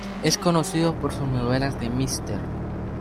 Es conocida por sus novelas de "Mr.